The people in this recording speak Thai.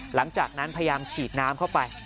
หลังจากนั้นพยายามฉีดน้ำเข้าไป